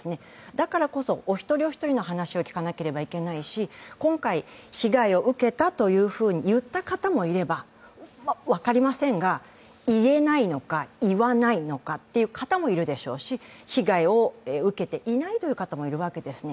だからこそお一人お一人の話を聞かなければいけないし今回被害を受けたと言った方もいれば、分かりませんが、言えないのか、言わないのかという方もいるでしょうし、被害を受けていないという方もいるわけですね